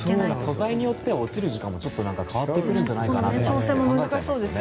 素材によっては落ちる時間も違ってくるんじゃないかって考えちゃいますよね。